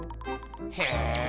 へえ。